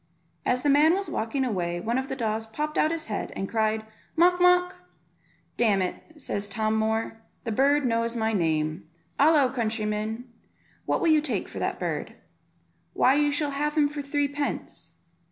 As the man was walking away one of the daws popped out his head, and cried "Mawk, mawk." "Damn it," says Tom Moor, "that bird knows my name; halloo, countryman, what will you take for the bird?" "Why, you shall have him for threepence."